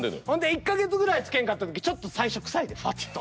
１か月ぐらいつけんかった時ちょっと最初臭いでふわっと。